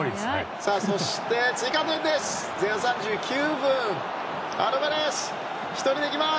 そして、追加点です！